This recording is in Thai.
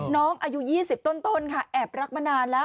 น้องอายุ๒๐ต้นค่ะแอบรักมานานแล้ว